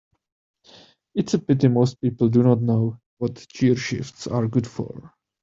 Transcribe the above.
It's a pity most people do not know what gearshifts are good for.